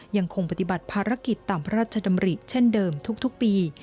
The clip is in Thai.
ยังคงปฏิบัติภารกิจตามพระราชดำริเช่นเดิมทุกปี